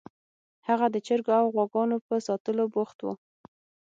هغه د چرګو او غواګانو په ساتلو بوخت و